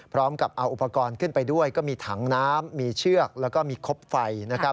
พร้อมกับเอาอุปกรณ์ขึ้นไปด้วยก็มีถังน้ำมีเชือกแล้วก็มีครบไฟนะครับ